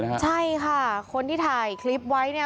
ใช่คนที่ถ่ายคลิปไว้